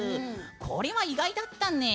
これは意外だったね。